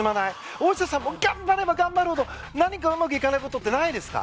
大下さんも頑張れば頑張るほど何かうまくいかないことってないですか。